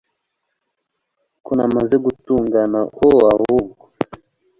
ko namaze gutungana o ahubwo